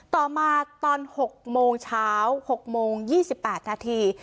ต่อมาตอน๖โมงเช้า๖โมง๒๘นาที